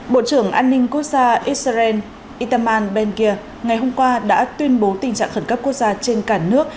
bộ trưởng an ninh quốc gia israel itaman ben gir ngày hôm qua đã tuyên bố tình trạng khẩn cấp quốc gia trên cả nước